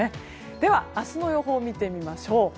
では明日の予報を見てみましょう。